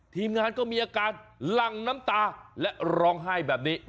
ทีมงานก็มีอาการหลั่งน้ำตาและร้องไห้แบบนี้